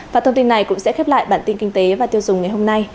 và thông tin này cũng sẽ khép lại bản tin kinh tế và tiêu dùng ngày hôm nay